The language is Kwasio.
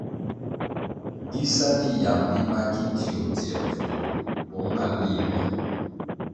Gi sa biyang biba ki tio dzier vur ri pong nga léh me.